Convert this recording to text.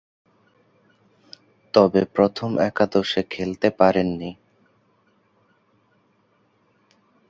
তবে, প্রথম একাদশে খেলতে পারেননি।